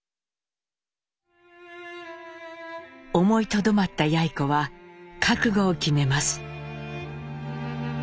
思いとどまったやい子は覚悟を決めます。